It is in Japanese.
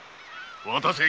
渡せ。